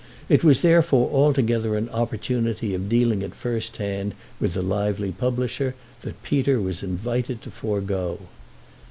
It was therefore altogether an opportunity of dealing at first hand with the lively publisher that Peter was invited to forego.